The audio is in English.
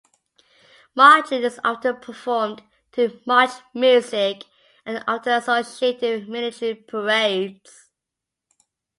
Marching is often performed to march music, and often associated with military parades.